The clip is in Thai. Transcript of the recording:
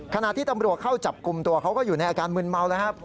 ขณะที่ตำรวจเข้าจับกลุ่มตัวเขาก็อยู่ในอาการมึนเมาแล้วครับ